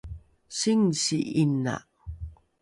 singsi ’ina